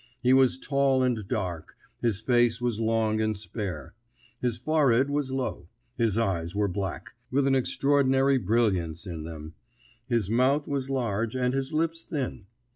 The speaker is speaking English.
He was tall and dark, his face was long and spare; his forehead was low; his eyes were black, with an extraordinary brilliancy in them; his mouth was large, and his lips thin.